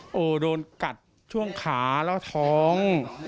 โอ้โหโดนกัดช่วงขาแล้วท้อง